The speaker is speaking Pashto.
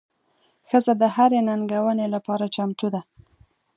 ښځه د هرې ننګونې لپاره چمتو ده.